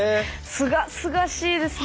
すがすがしいですね。